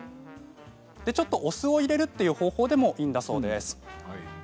ちょっとお酢を入れるという方法でもいいそうです。